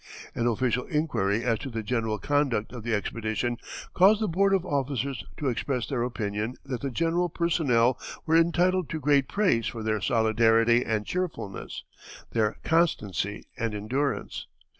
An official inquiry as to the general conduct of the expedition caused the board of officers to express their opinion that the general personnel were entitled to great praise for their solidarity and cheerfulness, their constancy and endurance.